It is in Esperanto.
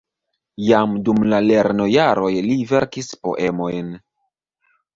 Jam dum la lernojaroj li verkis poemojn.